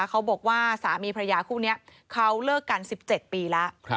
เขาบอกว่าสามีพระยาคู่นี้เขาเลิกกัน๑๗ปีแล้ว